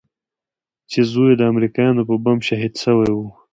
چې زوى يې د امريکايانو په بم شهيد سوى و.